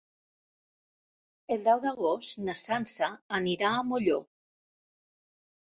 El deu d'agost na Sança anirà a Molló.